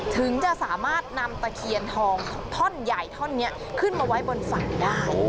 ถึงจะสามารถนำตะเคียนทองท่อนใหญ่ท่อนนี้ขึ้นมาไว้บนฝั่งได้